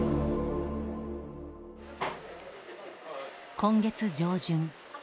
今月上旬。